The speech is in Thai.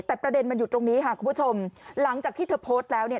แต่ประเด็นมันอยู่ตรงนี้ค่ะคุณผู้ชมหลังจากที่เธอโพสต์แล้วเนี่ย